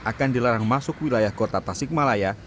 akan dilarang masuk wilayah kota tasikmalaya